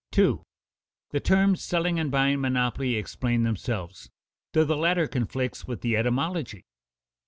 _ The terms selling and buying monopoly explain themselves, though the latter conflicts with the etymology.